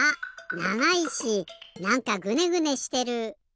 ながいしなんかグネグネしてる。